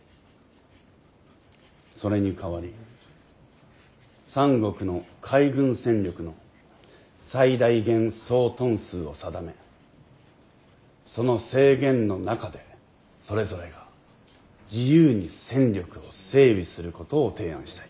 それに代わり三国の海軍戦力の最大限総トン数を定めその制限の中でそれぞれが自由に戦力を整備することを提案したい。